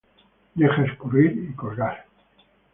Deja escurrir y colgar.